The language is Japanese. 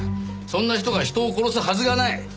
そんな人が人を殺すはずがない！